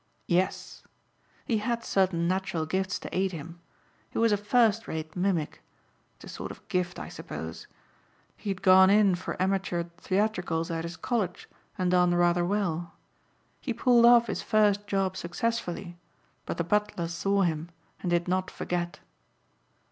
"Yes. He had certain natural gifts to aid him. He was a first rate mimic. It's a sort of gift I suppose. He had gone in for amateur theatricals at his college and done rather well. He pulled off his first job successfully but the butler saw him and did not forget.